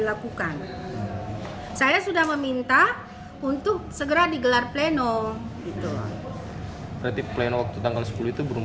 lakukan saya sudah meminta untuk segera digelar pleno gitu berarti plan waktu tanggal sepuluh itu belum